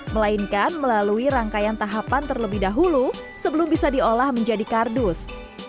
melainkan melalui rangkaian tahapan terlebih dahulu sebelum bisa diolah menjadi kardus